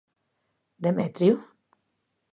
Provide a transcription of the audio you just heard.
Demetrio?